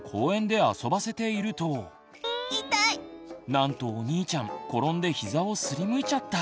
なんとお兄ちゃん転んで膝をすりむいちゃった。